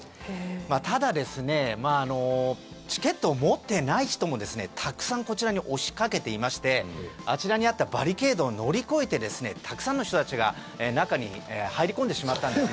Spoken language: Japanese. ただチケットを持っていない人もたくさんこちらに押しかけていましてあちらにあったバリケードを乗り越えてたくさんの人たちが中に入り込んでしまったんです。